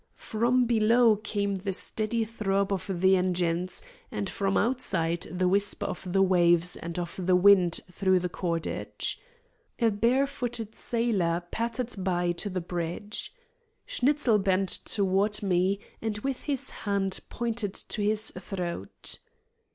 From below came the steady throb of the engines, and from outside the whisper of the waves and of the wind through the cordage. A barefooted sailor pattered by to the bridge. Schnitzel bent toward me, and with his hand pointed to his throat.